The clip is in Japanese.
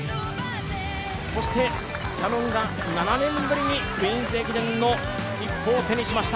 そしてキヤノンが７年ぶりに「クイーンズ駅伝」の切符を手にしました。